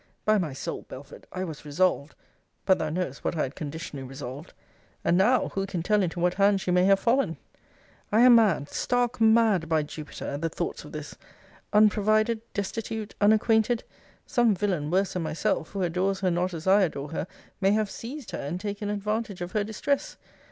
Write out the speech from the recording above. By my soul, Belford, I was resolved but thou knowest what I had conditionally resolved And now, who can tell into what hands she may have fallen! I am mad, stark mad, by Jupiter, at the thoughts of this! Unprovided, destitute, unacquainted some villain, worse than myself, who adores her not as I adore her, may have seized her, and taken advantage of her distress!